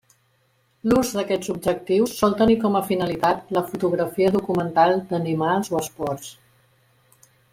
L'ús d'aquests objectius sol tenir com a finalitat la fotografia documental d'animals o esports.